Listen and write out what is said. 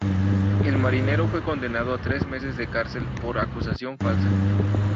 El marinero fue condenado a tres meses de cárcel por acusación falsa.